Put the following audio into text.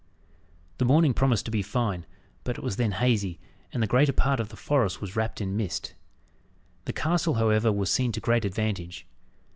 The morning promised to be fine, but it was then hazy, and the greater part of the forest was wrapped in mist. The castle, however, was seen to great advantage.